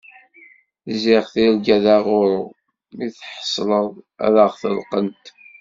Ziɣ tirga d aɣuṛṛu, mi tḥeṣleḍ ad ak-ḍelqent.